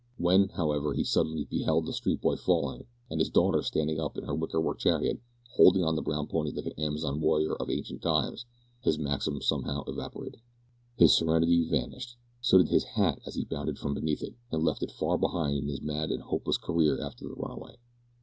When, however, he suddenly beheld the street boy falling, and his daughter standing up in her wickerwork chariot, holding on to the brown pony like an Amazon warrior of ancient times, his maxim somehow evaporated. His serenity vanished. So did his hat as he bounded from beneath it, and left it far behind in his mad and hopeless career after the runaway.